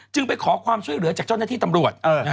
จึงไปขอความช่วยเหลือจากช่วงน้าที่ตำรวจ